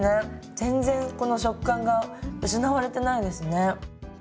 全然この食感が失われてないですね。